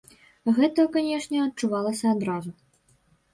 Гэта, канешне, адчувалася адразу.